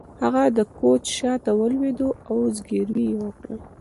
هغه د کوچ شاته ولویده او زګیروی یې وکړ